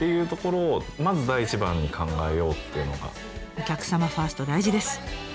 お客様ファースト大事です。